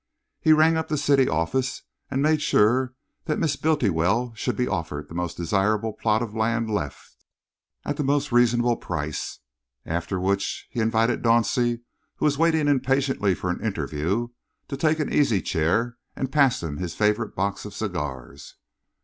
He rang up the city office and made sure that Miss Bultiwell should be offered the most desirable plot of land left, at the most reasonable price, after which he invited Dauncey, who was waiting impatiently for an interview, to take an easy chair, and passed him his favourite box of cigars.